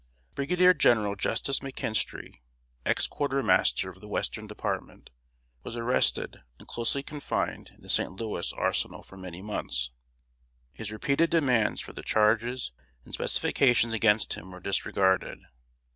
Brigadier General Justus McKinstry, ex Quartermaster of the Western Department, was arrested, and closely confined in the St. Louis arsenal for many months. His repeated demands for the charges and specifications against him were disregarded.